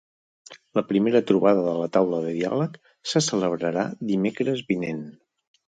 La primera trobada de la taula de diàleg se celebrarà dimecres vinent.